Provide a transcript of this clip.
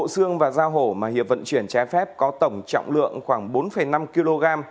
xương và giao hổ mà hiệp vận chuyển trái phép có tổng trọng lượng khoảng bốn năm kg